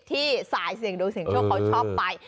ที่สายเสียงดูเสียงและช่องไป